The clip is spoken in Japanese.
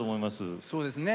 そうですね。